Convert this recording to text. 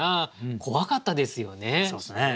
怖かったですよね。